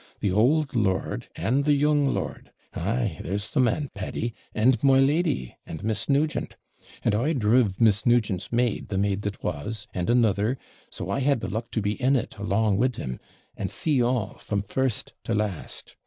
The OULD lord and the young lord (ay, there's the man, Paddy!), and my lady, and Miss Nugent. And I driv Miss Nugent's maid, that maid that was, and another; so I had the luck to be in it along WID 'em, and see all, from first to last.